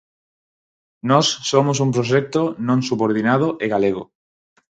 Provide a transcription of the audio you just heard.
Nós somos un proxecto non subordinado e galego.